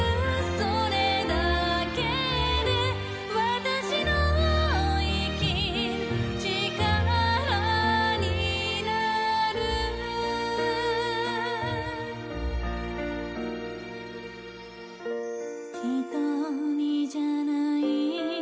それだけで私の生きる力になる「ひとりじゃない」